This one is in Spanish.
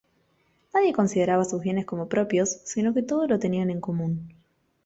Nadie consideraba sus bienes como propios sino que todo lo tenían en común...